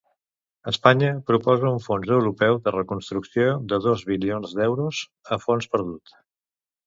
Espanya proposa un fons europeu de reconstrucció de dos bilions d'euros a fons perdut.